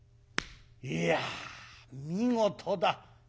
「いや見事だ！ああ。